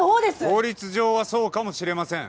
法律上はそうかもしれません。